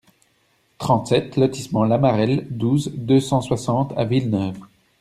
trente-sept lotissement La Marelle, douze, deux cent soixante à Villeneuve